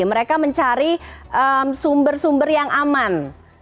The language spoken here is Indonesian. mereka mencari sumber sumber yang aman